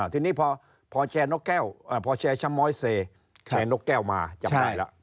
ทีนี้พอแชร์นกแก้วพอแชร์ชะม้อยเซแชร์นกแก้วมาจำได้แล้ว